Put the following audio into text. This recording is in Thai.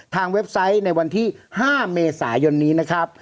เว็บไซต์ในวันที่๕เมษายนนี้นะครับ